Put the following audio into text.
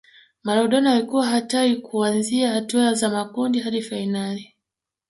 maradona alikuwa hatari kuanzia hatua za makundi hadi fainali